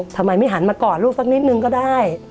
ทำไมไม่หันมากอดลูกสักนิดนึงก็ได้